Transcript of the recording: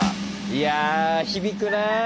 いや響くなあ